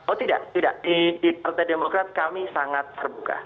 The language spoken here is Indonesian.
oh tidak tidak di partai demokrat kami sangat terbuka